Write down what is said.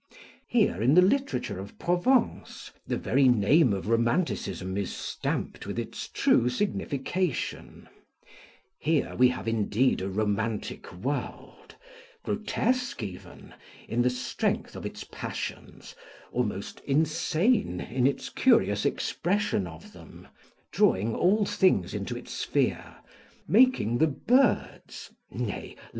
Here, in the literature of Provence, the very name of romanticism is stamped with its true signification: here we have indeed a romantic world, grotesque even, in the strength of its passions, almost insane in its curious expression of them, drawing all things into its sphere, making the birds, nay!